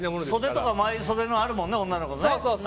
袖とかもああいう袖のあるもんね女の子の。